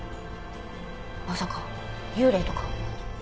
まさか幽霊とか？